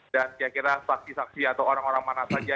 dan kira kira saksi saksi atau orang orang mana saja